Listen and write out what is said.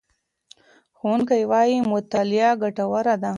ښوونکی وایي چې مطالعه ګټوره ده.